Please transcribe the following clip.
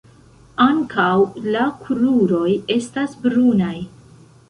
Ankaŭ la kruroj estas brunaj.